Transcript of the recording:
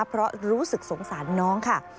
เพราะรู้สึกสงสารน้องค่ะ